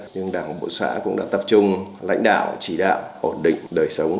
nhưng đảng bộ xã cũng đã tập trung lãnh đạo chỉ đạo ổn định đời sống